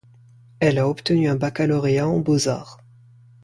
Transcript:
Elle a obtenu un baccalauréat en beaux-arts.